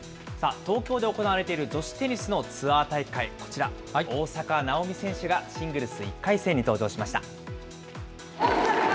東京で行われている女子テニスのツアー大会、こちら、大坂なおみ選手がシングルス１回戦に登場しました。